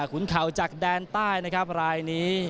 ขุนเข่าจากแดนใต้นะครับรายนี้